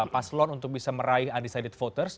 paslon untuk bisa meraih undecided voters